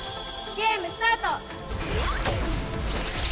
ゲームスタート。